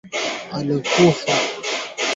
udongo tifutifu ni mzuri kwa viazi lishe